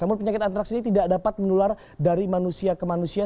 namun penyakit antraks ini tidak dapat menular dari manusia ke manusia